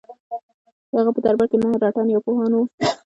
د هغه په دربار کې نهه رتن یا پوهان وو.